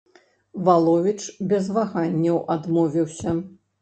Валовіч без ваганняў адмовіўся.